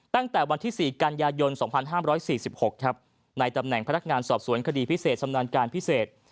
ตั้งแต่วันที่๔กันยายน๒๕๔๖ในตำแหน่งพนักงานสอบสวนคดีพิเศษชำนาญการพิเศษ